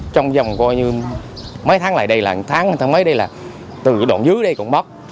trong dòng mấy tháng lại đây là một tháng mấy đây là từ đoạn dưới đây còn mất